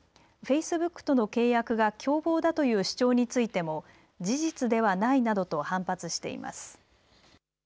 フェイスブックとの契約が共謀だという主張についても事実ではないなどと反発しています。